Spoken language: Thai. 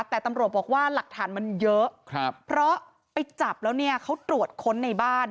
แต่ตำรวจบอกว่าหลักฐานมันเยอะเพราะไปจับแล้วเนี่ยเขาตรวจค้นในบ้าน